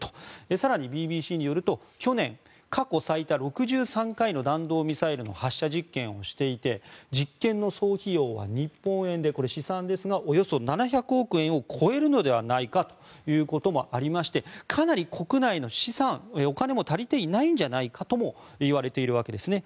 更にＢＢＣによると去年、過去最多６３回の弾道ミサイルの発射実験をしていて実験の総費用は日本円で試算ですがおよそ７００億円を超えるのではないかということもありましてかなり国内の資産、お金も足りていないのではないかともいわれているわけです。